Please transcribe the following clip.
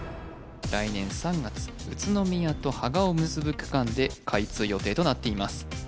来年３月宇都宮と芳賀を結ぶ区間で開通予定となっています